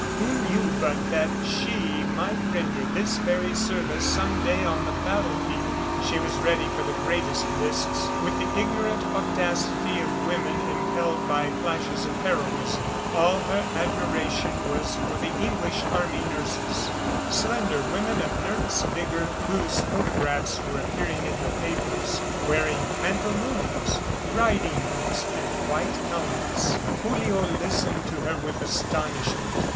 Who knew but that she might render this very service some day on the battlefield! She was ready for the greatest risks, with the ignorant audacity of women impelled by flashes of heroism. All her admiration was for the English army nurses, slender women of nervous vigor whose photographs were appearing in the papers, wearing pantaloons, riding boots and white helmets. Julio listened to her with astonishment.